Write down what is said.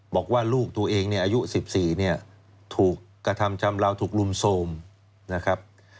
บอกว่าลูกตัวเองเนี่ยอายุ๑๔เนี่ยถูกกระทำชำราวถูกรุมโทรมนะครับ